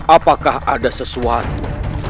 apakah ada sesuatu